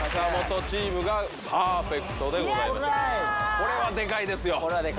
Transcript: これはデカいですよ。